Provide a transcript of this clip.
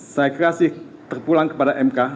saya kasih terpulang kepada mk